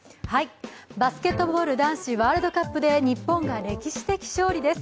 バスケットボール男子ワールドカップで日本が歴史的勝利です。